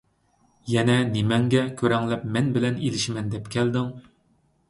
يەنە نېمەڭگە كۆرەڭلەپ مەن بىلەن ئېلىشىمەن دەپ كەلدىڭ؟